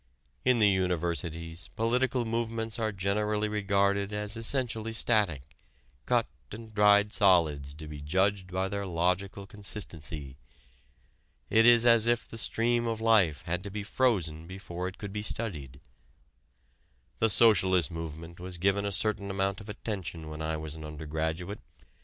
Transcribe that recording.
In the Universities political movements are generally regarded as essentially static, cut and dried solids to be judged by their logical consistency. It is as if the stream of life had to be frozen before it could be studied. The socialist movement was given a certain amount of attention when I was an undergraduate.